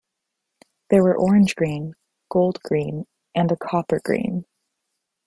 There were orange-green, gold-green, and a copper-green.